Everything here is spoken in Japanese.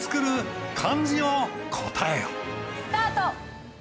スタート！